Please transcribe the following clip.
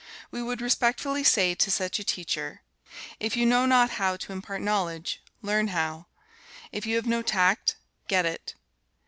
We would respectfully say to such a teacher: if you know not how to impart knowledge, learn how; if you have no tact, get it.